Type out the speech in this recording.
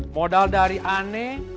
modal dari ane